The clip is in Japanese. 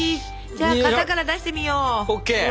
じゃあ型から出してみよう。